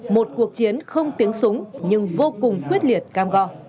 một cuộc chiến không tiếng súng nhưng vô cùng quyết liệt cam go